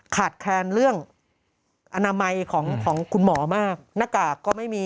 ขาดแคลนเรื่องอนามัยของคุณหมอมากหน้ากากก็ไม่มี